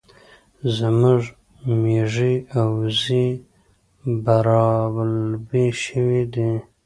زموږ ميږي او وزې برالبې شوې دي